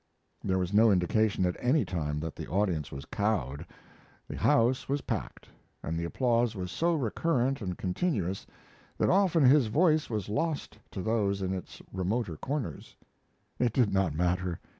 There was no indication at any time that the audience was cowed. The house was packed, and the applause was so recurrent and continuous that often his voice was lost to those in its remoter corners. It did not matter.